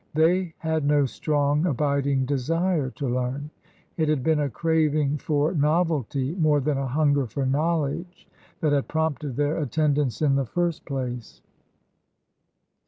They had no strong, abiding desire to learn. It had been a craving for novelty more than a hunger for knowledge that had prompted their attendance, in the first place.